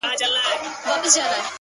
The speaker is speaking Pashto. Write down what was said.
څوک د مئين سره په نه خبره شر نه کوي’